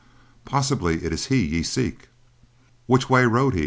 Possibly it is he ye seek." "Which way rode he?"